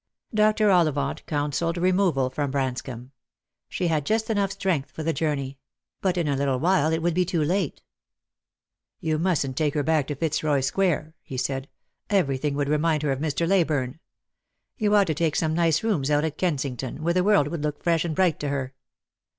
Dr. Ollivant counselled removal from Branscomb ; she had just enough strength for the journey ; but in a little while it would be too late. "You mustn't take her back to Fitzroy square," he said; " everything would remind her of Mr. Leyburne. You ought to take some nice rooms out at Kensington, where the world would look fresh and bright to her.